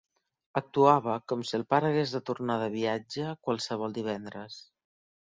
Actuava com si el pare hagués de tornar de viatge qualsevol divendres.